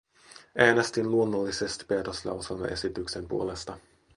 Äänestin luonnollisesti päätöslauselmaesityksen puolesta.